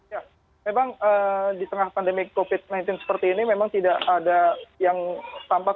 ya memang di tengah pandemi covid sembilan belas seperti ini memang tidak ada yang tampak